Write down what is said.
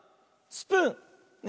スプーン